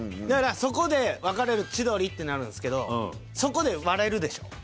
だからそこで分かれる千鳥ってなるんですけどそこで割れるでしょ？